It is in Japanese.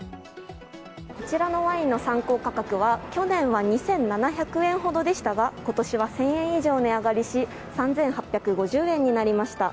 こちらのワインの参考価格は去年は２７００円ほどでしたが今年は１０００円以上値上がりし、３８５０円になりました。